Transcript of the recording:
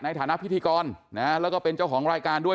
ฐานพิธีกรแล้วก็เป็นเจ้าของรายการด้วย